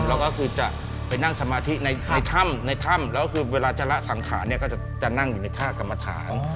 แล้วก็คือจะไปนั่งสมาธิในถ้ำในถ้ำแล้วคือเวลาจะละสังขารเนี่ยก็จะนั่งอยู่ในท่ากรรมฐาน